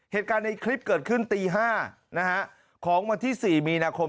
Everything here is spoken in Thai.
เหตุการณ์ในคลิปเกิดขึ้นตี๕ของวันที่๔มีนาคม